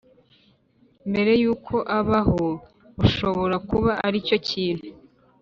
Mbere y uko abaho bushobora kuba ari cyo kintu